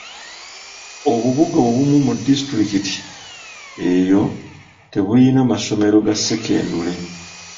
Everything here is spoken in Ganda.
Obubuga obumu mu disitulikiti eyo tebuyina masomero ga sekendule.